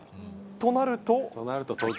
となると。